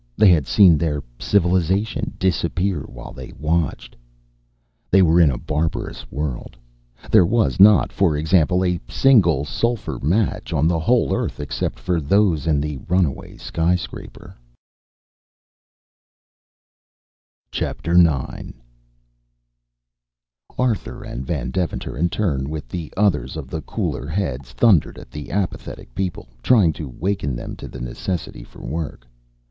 They had seen their civilization disappear while they watched. They were in a barbarous world. There was not, for example, a single sulfur match on the whole earth except those in the runaway skyscraper. IX. Arthur and Van Deventer, in turn with the others of the cooler heads, thundered at the apathetic people, trying to waken them to the necessity for work.